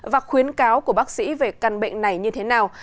và khuyến cáo của bác sĩ về căn bệnh này như thế nào